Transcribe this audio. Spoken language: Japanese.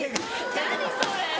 何それ！